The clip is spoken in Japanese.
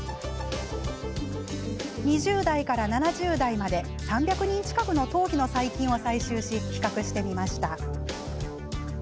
２０代から７０代まで３００人近くの頭皮の細菌を採集し、比較してみました。